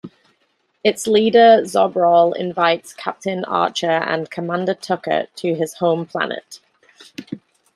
Its leader, Zobral, invites Captain Archer and Commander Tucker to his home planet.